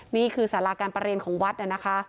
นี่คือสาราการประเรียนของวัดนะคะ